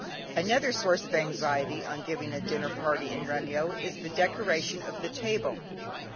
Another source of anxiety on giving a dinner party in Remyo is the decoration of the table.